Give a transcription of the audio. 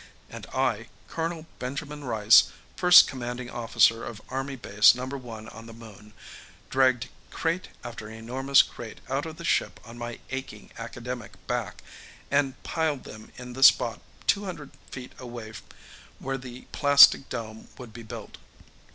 And I, Colonel Benjamin Rice, first commanding officer of Army Base No. 1 on the Moon, dragged crate after enormous crate out of the ship on my aching academic back, and piled them in the spot two hundred feet away where the plastic dome would be built.